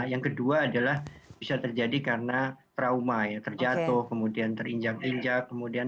yang kedua adalah bisa terjadi karena trauma ya terjatuh kemudian terinjak injak